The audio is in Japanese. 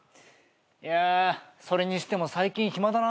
いやそれにしても最近暇だな。